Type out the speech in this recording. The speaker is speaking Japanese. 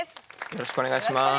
よろしくお願いします。